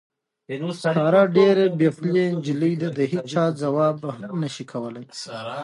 ساره ډېره بې خولې نجیلۍ ده، د هېچا ځواب هم نشي کولی.